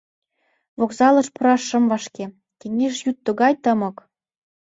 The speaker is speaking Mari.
Вокзалыш пураш шым вашке — кеҥеж йӱд тугай тымык.